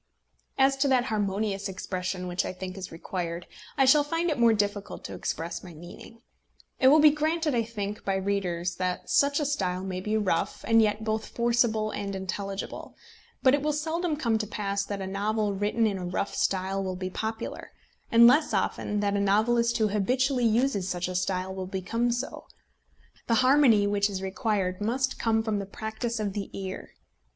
As to that harmonious expression which I think is required, I shall find it more difficult to express my meaning. It will be granted, I think, by readers that a style may be rough, and yet both forcible and intelligible; but it will seldom come to pass that a novel written in a rough style will be popular, and less often that a novelist who habitually uses such a style will become so. The harmony which is required must come from the practice of the ear.